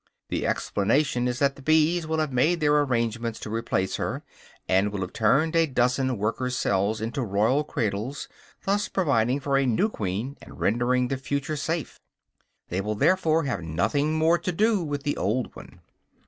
The explanation is that the bees will have made their arrangements to replace her, and will have turned a dozen workers'cells into royal cradles, thus providing for a new queen and rendering the future safe. They will therefore have nothing more to do with the old one.